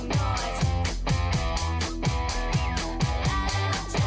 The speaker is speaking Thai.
จะดีเหรอคะ